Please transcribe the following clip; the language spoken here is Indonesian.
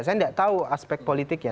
saya tidak tahu aspek politiknya